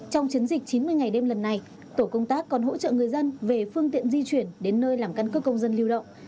trong chiến dịch chín mươi ngày đêm lần này tổ công tác còn hỗ trợ người dân về phương tiện di chuyển đến nơi làm căn cước công dân lưu động